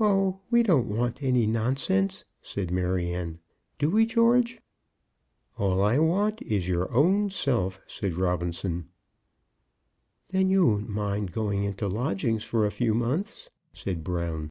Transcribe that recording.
"Oh, we don't want any nonsense," said Maryanne; "do we, George?" "All I want is your own self," said Robinson. "Then you won't mind going into lodgings for a few months," said Brown.